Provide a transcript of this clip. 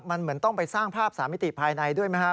มันเหมือนต้องไปสร้างภาพสามิติภายในด้วยไหมครับ